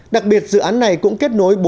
đặc biệt dự án này cũng kết nối